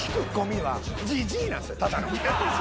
ただの。